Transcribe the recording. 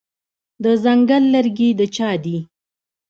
د ځنګل لرګي د چا دي؟